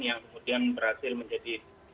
yang kemudian berhasil menjadi